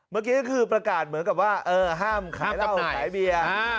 เมื่อกี้ก็คือประกาศเหมือนกับว่าห้ามขายเหล้าขายเบียร์